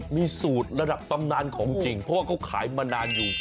มีสูตรระดับตำนานของจริงเพราะว่าเขาขายมานานอยู่